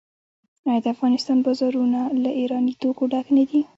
آیا د افغانستان بازارونه له ایراني توکو ډک نه دي؟